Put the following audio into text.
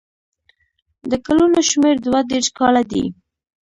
د کلونو شمېر دوه دېرش کاله دی.